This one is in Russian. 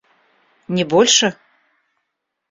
Не больше?